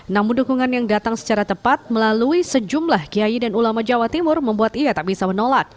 namun dukungan yang datang secara tepat melalui sejumlah kiai dan ulama jawa timur membuat ia tak bisa menolak